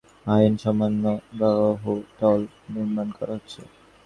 পুরান ঢাকার ছোট কাটরার সামনে আইন অমান্য করে বহুতল ভবন নির্মাণ করা হচ্ছে।